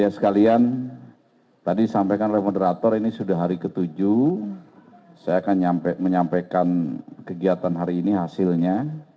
saya ingin menyampaikan kegiatan hari ini hasilnya